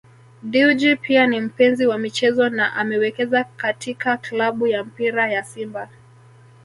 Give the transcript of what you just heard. Dewji pia ni mpenzi wa michezo na amewekeza katika klabu ya mpira ya Simba